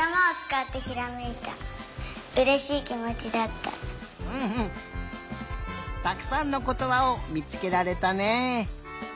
たくさんのことばをみつけられたね。